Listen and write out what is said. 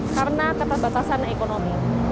karena terbatasan ekonomi